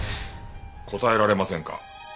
答えられませんか？